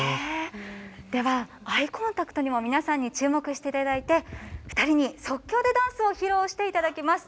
ではアイコンタクトにも皆さんにも注目していただいて２人に即興でダンスを披露していただきます。